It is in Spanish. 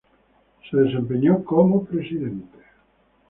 Se desempeñó como presidente.